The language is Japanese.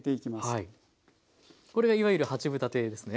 これがいわゆる八分立てですね。